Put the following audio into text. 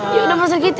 yaudah pasik ginti